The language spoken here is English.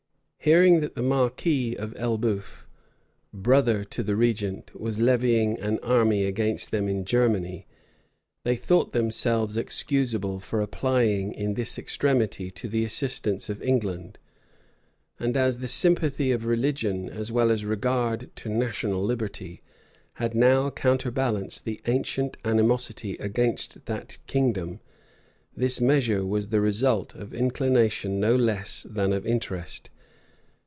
Hearing that the marquis of Elbeuf, brother to the regent, was levying an army against them in Germany, they thought themselves excusable for applying, in this extremity, to the assistance of England; and as the sympathy of religion, as well as regard to national liberty, had now counterbalanced the ancient animosity against that kingdom, this measure was the result of inclination no less than of interest.